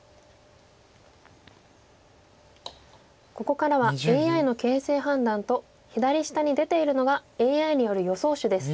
ここからはＡＩの形勢判断と左下に出ているのがＡＩによる予想手です。